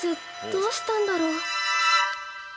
どうしたんだろう。